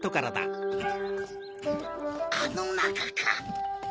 あのなかか。